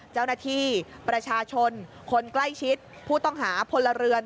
เจ้าหน้าที่ประชาชนคนใกล้ชิดผู้ต้องหาพลเรือน